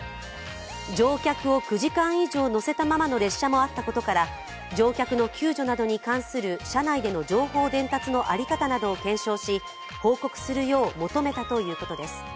乗客を９時間以上乗せたままの列車もあったことから乗客の救助などに関する車内での情報伝達の在り方などを検証し、報告するよう求めたということです。